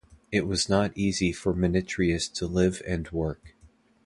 It was not easy for Menetries to live and work.